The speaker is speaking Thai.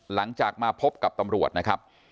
หลังจากมาพบกับตำรวจนะครับ